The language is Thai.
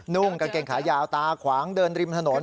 ่งกางเกงขายาวตาขวางเดินริมถนน